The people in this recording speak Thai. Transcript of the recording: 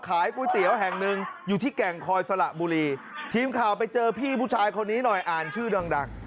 ขายก๋วยเตี๋ยวแห่งหนึ่งอยู่ที่แก่งคอยสละบุรีทีมข่าวไปเจอพี่ผู้ชายคนนี้หน่อยอ่านชื่อดังดัง